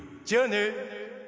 じゃあね。